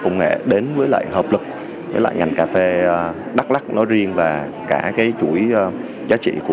công nghệ đến với lại hợp lực với lại ngành cà phê đắk lắc nói riêng và cả cái chuỗi giá trị của